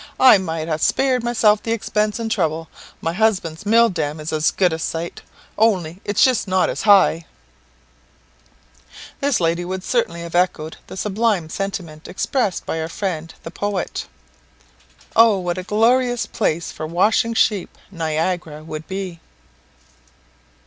I might ha' spared myself the expense and trouble; my husband's mill dam is as good a sight, only it's not just as high.'" This lady would certainly have echoed the sublime sentiment expressed by our friend the poet, "Oh, what a glorious place for washing sheep Niagara would be!"